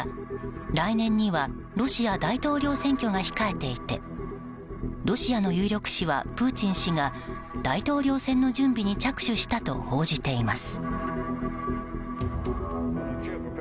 来年にはロシア大統領選挙が控えていてロシアの有力紙はプーチン氏が大統領選の準備に着手したと報じています。